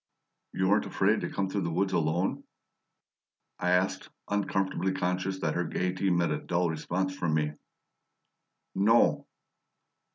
"You weren't afraid to come through the woods alone?" I asked, uncomfortably conscious that her gaiety met a dull response from me. "No."